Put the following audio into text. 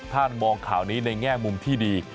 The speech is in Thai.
ถ้ามองข่าวนี้ในแง่มุมที่ดี